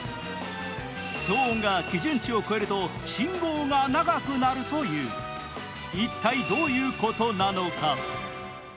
騒音が基準値を超えると信号が長くなるという一体どういうことなのか？